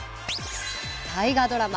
大河ドラマ。